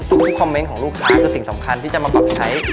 ทุกคอมเมนต์ของลูกค้าคือสิ่งสำคัญที่จะมาปรับใช้